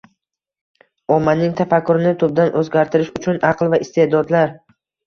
ommaning tafakkurini tubdan o‘zgartirish uchun aql va iste’dodlar